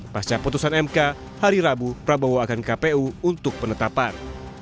pasca putusan mk hari rabu prabowo akan kpu untuk penetapan